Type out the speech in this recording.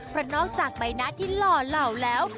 เพราะนอกจากใบหน้าที่หล่อเหล่าแล้ว